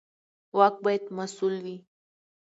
واک باید مسوول وي